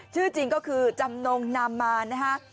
ชื่อจริงก็คือจำนงนามมานะฮะ